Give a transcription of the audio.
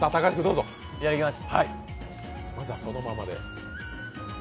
いただきます。